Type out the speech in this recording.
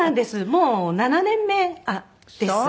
もう７年目です。